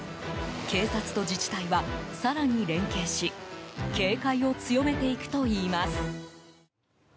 警察と自治体は、更に連携し警戒を強めていくといいます。